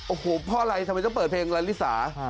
โอ้โฮพออะไรทำไมจะเปิดเพลงแล้วลิซ่า